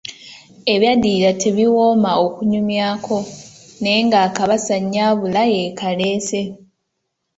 Ebyaddirira tebiwooma okunyumyako, naye ng‘akabasa nnyambala yeekaleese.